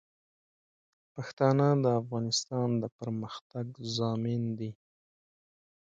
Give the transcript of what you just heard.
پښتانه د افغانستان د پرمختګ ضامن دي.